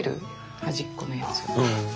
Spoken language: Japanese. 端っこのやつを。